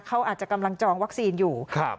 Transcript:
เขาอาจจะกำลังจองวัคซีนอยู่